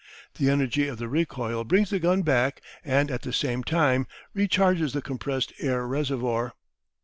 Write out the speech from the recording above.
The energy of the recoil brings the gun back and at the same time recharges the compressed air reservoir.